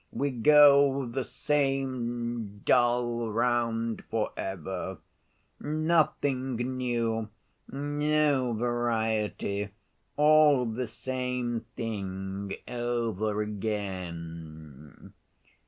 We go the same dull round forever; nothing new, no variety! all the same thing over again!